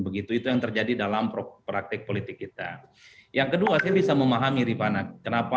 begitu itu yang terjadi dalam praktik politik kita yang kedua saya bisa memahami rifana kenapa